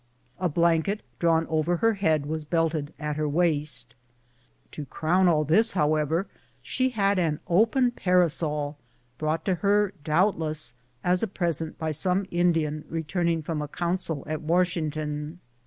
A blanket drawn over her head was belted at her waist. To crown all this, liowever, she had an open parasol, brought to her, doubtless, as a present by some Indian returning from a council at Washington.